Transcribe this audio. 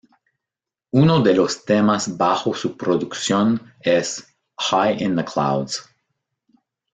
Uno de los temas bajo su producción es "High in the Clouds".